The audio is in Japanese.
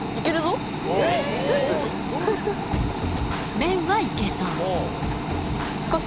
麺はいけそう少し？